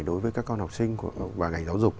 đối với các con học sinh và ngành giáo dục